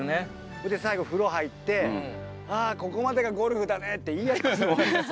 それで最後風呂入って「あここまでがゴルフだね」って言い合いますもん。